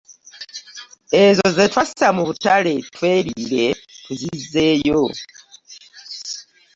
Ezo ze twassa mu butale tweriire tuzizzeeyo